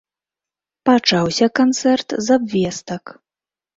Пачаўся канцэрт з абвестак.